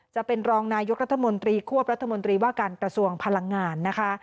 จะเป็นรองนายกรัฐมนตรีควบรัฐมนตรีว่าการกระทรวงพลังงานนะคะ